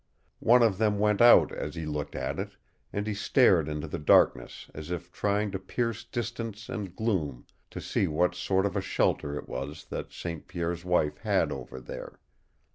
One of them went out as he looked at it, and he stared into the darkness as if trying to pierce distance and gloom to see what sort of a shelter it was that St. Pierre's wife had over there.